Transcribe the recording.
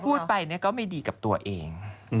พอพูดไปเนี่ยก็ไม่ดีกับตัวเอง